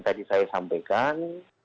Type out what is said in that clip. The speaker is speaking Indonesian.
tadi saya sampaikan